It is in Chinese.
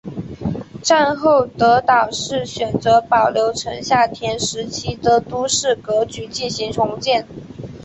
战后德岛市选择保留城下町时期的都市格局进行重建。